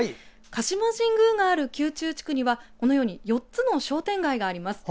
鹿島神宮がある宮中地区には４つの商店街があります。